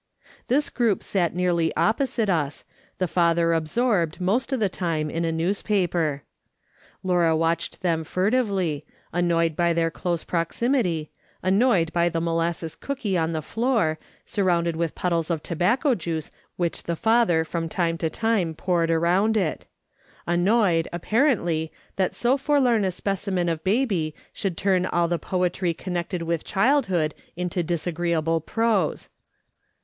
This group sat nearly opposite us, the father absorbed, most of the time, in a newspaper. Laura watched them furtively, annoyed by their close proximity, annoyed by the molasses cooky on the floor, surrounded with puddles of tobacco juice which the father from time to time poured around it ; annoyed, apparently, that so forlorn a specimen of baby should turn all the poetry connected with child' hood into disagreeable prose.